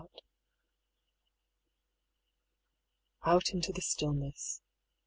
Out into the stillness.